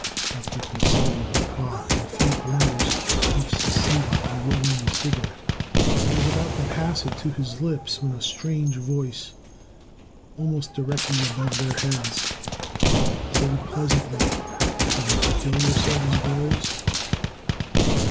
After considerable talk and a few blunders, each succeeded in rolling a cigarette, and was about to pass it to his lips, when a strange voice, almost directly above their heads, said, pleasantly, "Trying to kill yourselves, boys?"